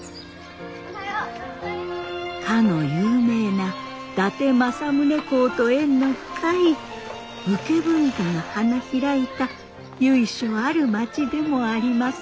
かの有名な伊達政宗公と縁の深い武家文化が花開いた由緒ある町でもあります。